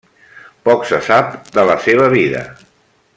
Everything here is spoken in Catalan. Poc se sap de la seva vida.